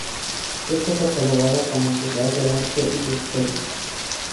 Está catalogada como Ciudad de arte y de historia.